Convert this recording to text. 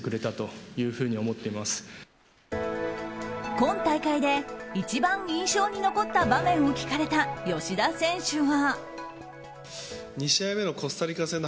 今大会で一番印象に残った場面を聞かれた吉田選手は。